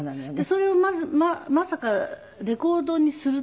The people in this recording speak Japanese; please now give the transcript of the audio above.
それをまさかレコードにするって。